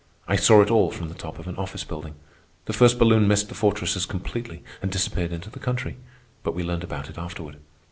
I saw it all from the top of an office building. The first balloon missed the fortresses completely and disappeared into the country; but we learned about it afterward.